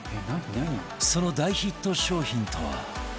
その大ヒット商品とは